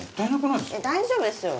大丈夫ですよ